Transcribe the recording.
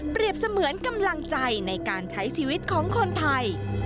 เสมือนกำลังใจในการใช้ชีวิตของคนไทย